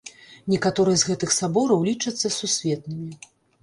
Некаторыя з гэтых сабораў лічацца сусветнымі.